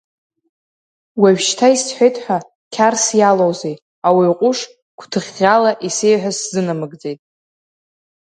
Уажәшьҭа исҳәеит ҳәа қьарс иалоузеи, ауаҩ ҟәыш гәҭыӷьӷьала исеиҳәаз сзынамыгӡеит.